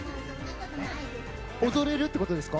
踊れるということですか？